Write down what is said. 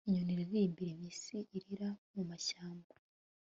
Inyoni iraririmbira impyisi irira mumashyamba